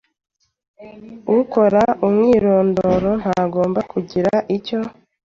Ukora umwirondoro ntagomba kugira icyo